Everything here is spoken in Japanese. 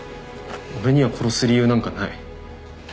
俺には殺す理由なんかない。